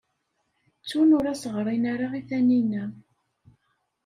Ttun ur as-ɣrin ara i Taninna.